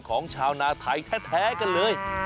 ของชาวนาไทยแท้กันเลย